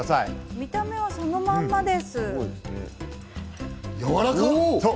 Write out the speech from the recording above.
見た目はそのまんまです。